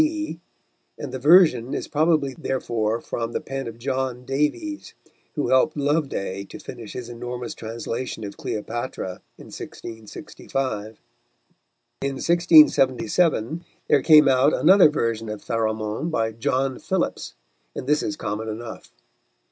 D., and the version is probably therefore from the pen of John Davies, who helped Loveday to finish his enormous translation of Cleopatra in 1665. In 1677 there came out another version of Pharamond, by John Phillips, and this is common enough.